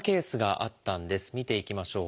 見ていきましょう。